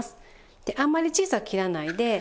あんまり小さく切らないで。